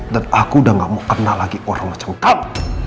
dan aku udah gak mau kenal lagi orang macam kamu